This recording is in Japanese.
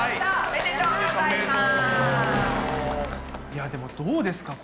いやでもどうですか？